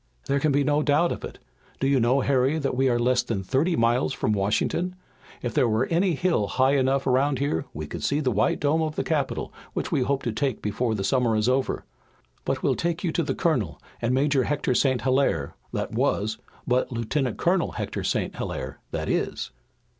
"There can be no doubt of it. Do you know, Harry, that we are less than thirty miles from Washington! If there were any hill high enough around here we could see the white dome of the Capitol which we hope to take before the summer is over. But we'll take you to the Colonel and Major Hector St. Hilaire, that was, but Lieutenant Colonel Hector St. Hilaire that is."